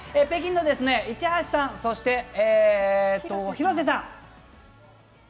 北京の一橋さん、そして廣瀬さん。